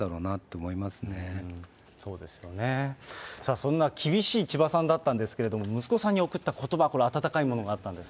そんな厳しい千葉さんだったんですけれども、息子さんに送ったことば、これ、温かいものがあったんです。